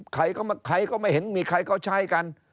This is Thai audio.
ใครก็ใครก็ไม่เห็นมีใครก็ใช้กัน